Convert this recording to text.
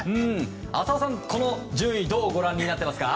浅尾さん、この順位どうご覧になっていますか？